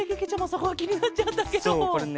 そこがきになっちゃったケロ。